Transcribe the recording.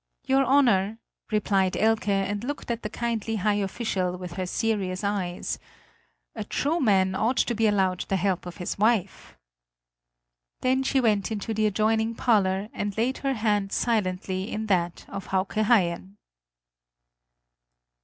"Your Honor," replied Elke and looked at the kindly high official with her serious eyes, "a true man ought to be allowed the help of his wife!" Then she went into the adjoining parlor and laid her hand silently in that of Hauke Haien.